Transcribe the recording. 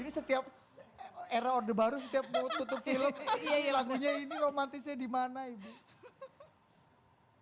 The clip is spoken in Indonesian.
ini setiap era order baru setiap mau tutup film lagunya ini romantisnya dimana ibu